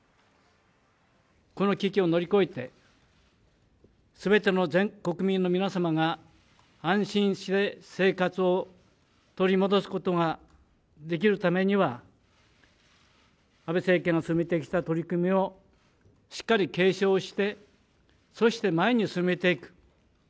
この危機を乗り越えて、すべての全国民の皆様が、安心して生活を取り戻すことができるためには、安倍政権が進めてきた取り組みを、しっかり継承して、そして前に進めていく。